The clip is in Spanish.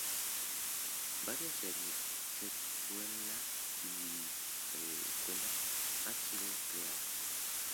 Varias series, secuelas y una precuela han sido creadas.